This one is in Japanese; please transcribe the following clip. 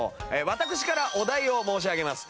私からお題を申し上げます。